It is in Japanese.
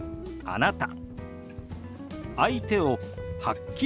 「あなた」。